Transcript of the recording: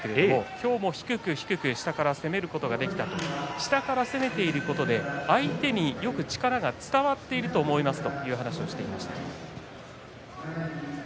今日も低く低く下から攻めることができた下から攻めていっていることで相手によく力が伝わっていると思うということを話しています。